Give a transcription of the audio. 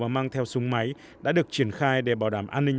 máy đã được triển khai để bảo đảm an ninh